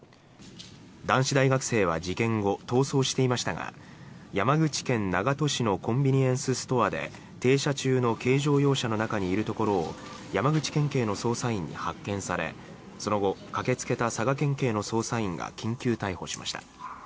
男子大学生は事件後、逃走していましたが山口県長門市のコンビニエンスストアで停車中の軽乗用車の中にいるところを山口県警の捜査員に発見されその後、駆けつけた佐賀県警の捜査員が緊急逮捕しました。